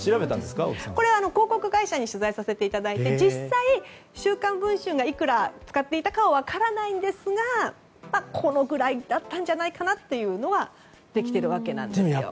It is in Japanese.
広告会社に問い合わせて実際「週刊文春」がいくら使っていたかは分からないんですがこのぐらいだったんじゃないかなというのはできているわけですね。